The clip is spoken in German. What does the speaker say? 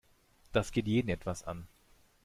Das geht jeden etwas an.